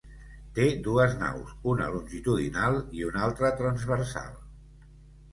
Té dues naus, una longitudinal i una altra transversal.